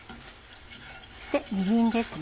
そしてみりんですね。